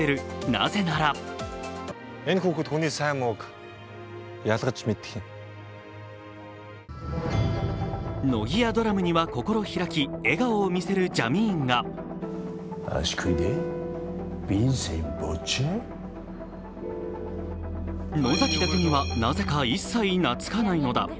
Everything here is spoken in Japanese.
なぜなら乃木やドラムには心開き、笑顔を見せるジャミーンが野崎だけにはなぜか一切懐かないのだ。